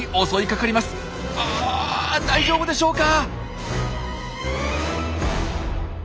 あ大丈夫でしょうか！？